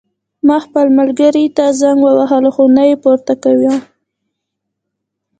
ما خپل ملګري ته زنګ ووهلو خو نه یې پورته کوی